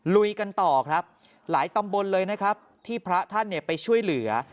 ลุยกันต่อครับหลายตำบลเลยนะครับที่พระท่านไปช่วยเหลือ